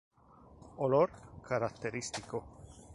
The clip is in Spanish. Olor: Característico.